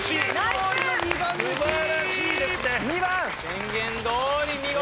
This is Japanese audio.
宣言どおり見事！